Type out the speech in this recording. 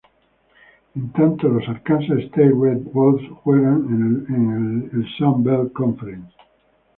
En tanto, los Arkansas State Red Wolves juegan en la Sun Belt Conference.